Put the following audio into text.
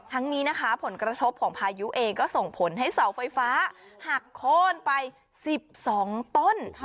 นี้นะคะผลกระทบของพายุเองก็ส่งผลให้เสาไฟฟ้าหักโค้นไป๑๒ต้น